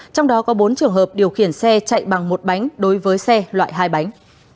trong đó có bốn trường hợp điều khiển xe chạy bằng một bánh đối với xe loại hai bánh